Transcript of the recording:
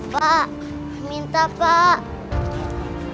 pak minta pak